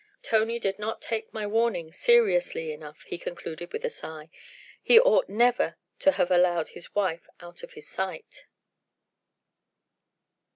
"Tony did not take my warning seriously enough," he concluded with a sigh; "he ought never to have allowed his wife out of his sight."